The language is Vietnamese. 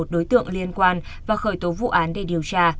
một mươi một đối tượng liên quan và khởi tố vụ án để điều tra